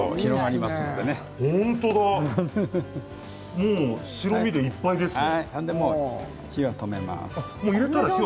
もう白身でいっぱいですね。